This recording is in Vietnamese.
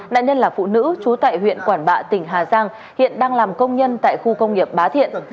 nạn nhân là phụ nữ trú tại huyện quản bạ tỉnh hà giang hiện đang làm công nhân tại khu công nghiệp bá thiện